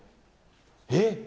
えっ？